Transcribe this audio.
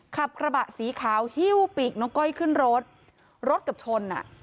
ขับกระบะสีขาวฮิ้วปีกน้องก้อยขึ้นรถรถเกือบชนอ่ะ